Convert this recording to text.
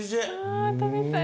あ食べたい。